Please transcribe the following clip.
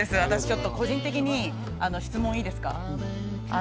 私、ちょっと個人的に質問いいですか？